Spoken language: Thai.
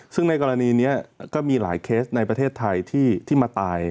ซึ่งในกรณีนี้ก็มีหลายเคสในประเทศไทยที่มาตาย